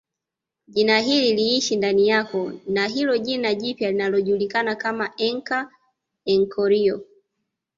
Jina hili liishi ndani yako na hilo jina jipya linalojulikana kama enkama enchorio